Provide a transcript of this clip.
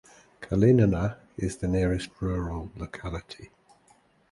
Kalinina is the nearest rural locality.